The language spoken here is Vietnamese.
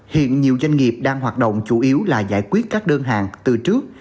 hiện nhiều doanh nghiệp đang hoạt động chủ yếu là giải quyết các đơn hàng từ trước